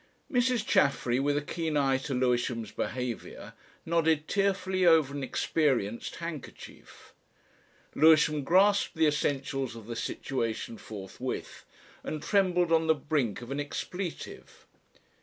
Mrs. Chaffery, with a keen eye to Lewisham's behaviour, nodded tearfully over an experienced handkerchief. Lewisham grasped the essentials of the situation forthwith, and trembled on the brink of an expletive.